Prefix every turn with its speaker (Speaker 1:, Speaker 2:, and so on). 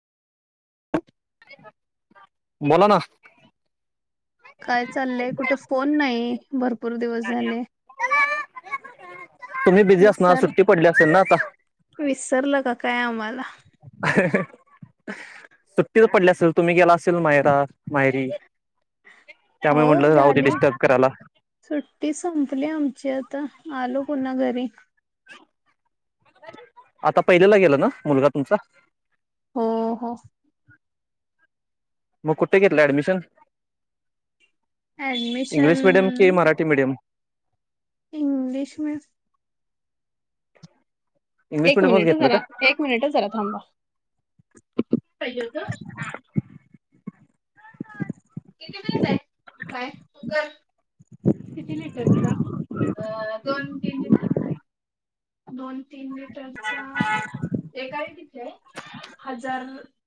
Speaker 1: [inaudible]
Speaker 2: बोला ना
Speaker 1: काय चाललंय कुठ फोन नाही भरपू
Speaker 2: तुम्ही बिझी असणार
Speaker 1: विसर
Speaker 2: सुट्टी पडली असल ना आता.
Speaker 1: विसरलं का काय आम्हाला?
Speaker 2: हाह हा हाह सुट्टी पडली असेल तुम्ही गेला असेल माहेरा माहेरी.
Speaker 1: हो झाली
Speaker 2: करायला
Speaker 1: सुट्टी संपली आमची आता आलो पुन्हा घरी. विक
Speaker 2: आता पहिलिला गेला ना मुलगा तुमचा.
Speaker 1: हो हो -
Speaker 2: मग कुठ घेतल ऍडमिशन?
Speaker 1: ऍडमिशन
Speaker 2: इंग्लिश मीडियम कि Marathi medium?
Speaker 1: English mid
Speaker 2: English
Speaker 1: एक
Speaker 2: मिडियमच
Speaker 1: मिनिट
Speaker 2: घेतलं
Speaker 1: जरा,
Speaker 2: का
Speaker 1: एक मिनिटच जरा थांबा? किती किलोचा आहे काय? कुकर किती लिटरचा दोन तीन लिटरचा दोन तीन लिटरचा एक आहे तिथे हजार